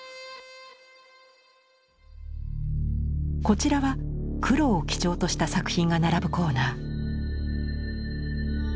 こちらは黒を基調とした作品が並ぶコーナー。